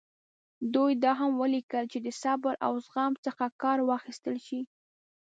دوی دا هم ولیکل چې د صبر او زغم څخه کار واخیستل شي.